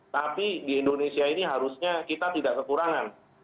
tapi di indonesia ini harusnya kita tidak kekurangan